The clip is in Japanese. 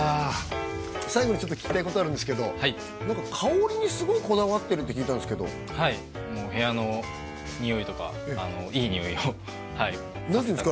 最後にちょっと聞きたいことあるんですけど香りにすごいこだわってるって聞いたんですけどはい部屋の匂いとかいい匂いをさせたくて何ていうんですか？